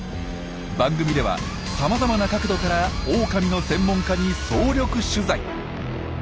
番組ではさまざまな角度からオオカミの専門家に総力取材。